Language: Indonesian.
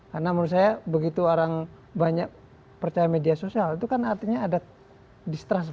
karena menurut saya begitu orang banyak percaya media sosial itu kan artinya ada distrust